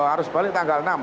arus balik tanggal enam